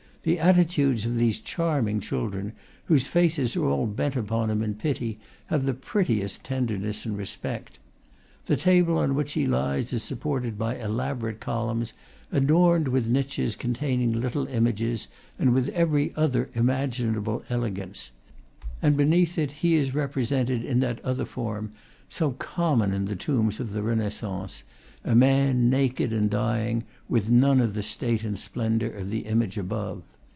The attitudes of these charm ing children, whose faces are all bent upon him in pity, have the prettiest tenderness and respect. The table on which he lies is supported by elaborate columns, adorned with niches containing little images, and with every other imaginable elegance; and be neath it he is represented in that other form, so com mon in the tombs of the Renaissance, a man naked and dying, with none of the state and splendor of the image above.